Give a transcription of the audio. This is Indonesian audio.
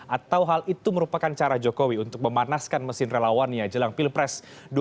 atau hal itu merupakan cara jokowi untuk memanaskan mesin relawannya jelang pilpres dua ribu sembilan belas